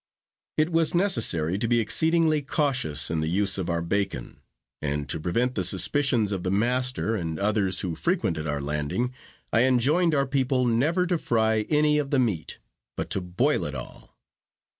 It was necessary to be exceedingly cautious in the use of our bacon; and to prevent the suspicions of the master and others who frequented our landing, I enjoined our people never to fry any of the meat, but to boil it all.